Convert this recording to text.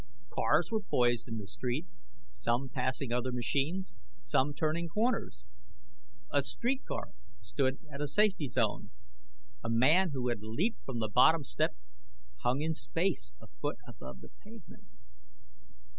Cars were poised in the street, some passing other machines, some turning corners. A street car stood at a safety zone; a man who had leaped from the bottom step hung in space a foot above the pavement.